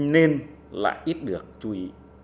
nên lại ít được chú ý